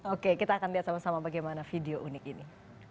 oke kita akan lihat sama sama bagaimana video unik ini